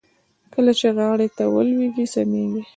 کله چې غاړې ته ولوېږي سميږي.